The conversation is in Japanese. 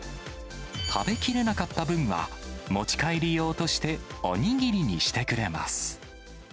食べきれなかった分は持ち帰り用としておにぎりにしてくれます。